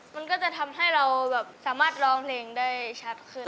มันก็จะทำให้เราแบบสามารถร้องเพลงได้ชัดขึ้น